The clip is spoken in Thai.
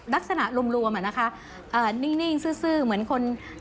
ลักษณะรวมอะนะคะนิ่งซื้อเหมือนคน